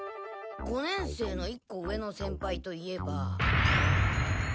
五年生の１個上の先輩と言えば。